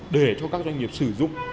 để cho các doanh nghiệp sử dụng